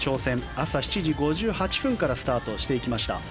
朝７時５８分からスタートしていきました。